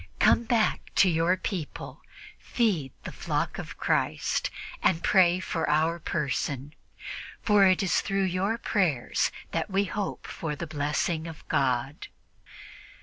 Come back to your people, feed the flock of Christ and pray for our person, for it is through your prayers that we hope for the blessing of God."